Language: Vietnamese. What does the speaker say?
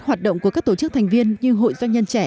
hoạt động của các tổ chức thành viên như hội doanh nhân trẻ